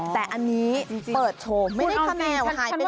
แต่อันนี้เปิดโชว์ไม่ได้คำแนวหายไปแล้วจริง